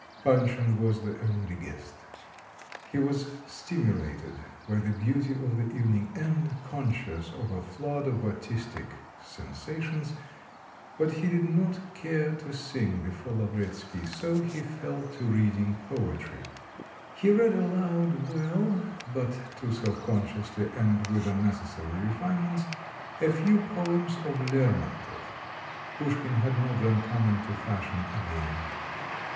Panshin was the only guest. He was stimulated by the beauty of the evening, and conscious of a flood of artistic sensations, but he did not care to sing before Lavretsky, so he fell to reading poetry; he read aloud well, but too self consciously and with unnecessary refinements, a few poems of Lermontov (Pushkin had not then come into fashion again).